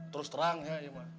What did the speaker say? terus terang ya iya mak